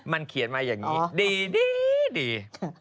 มันเขียนมาอย่างนี้ดี